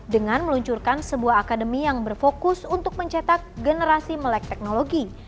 dengan meluncurkan sebuah akademi yang berfokus untuk mencetak generasi melek teknologi